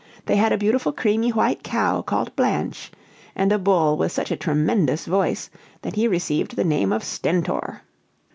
They had a beautiful creamy white cow called Blanche, and a bull with such a tremendous voice, that he received the name of Stentor.